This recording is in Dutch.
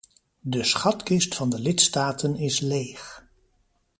De schatkist van de lidstaten is leeg.